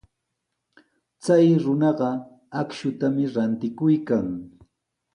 Chay runaqa akshutami rantikuykan.